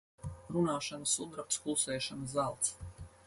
Runāšana sudrabs, klusēšana zelts.